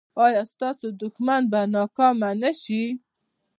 ایا ستاسو دښمن به ناکام نه شي؟